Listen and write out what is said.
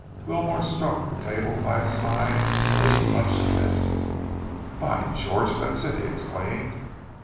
Wilmore struck the table by his side with his clenched fist. "By George, that's it!" he exclaimed.